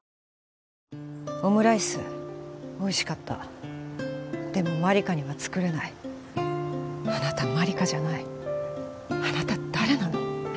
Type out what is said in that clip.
オムライスおいしかったでも万理華には作れないあなた万理華じゃないあなた誰なの？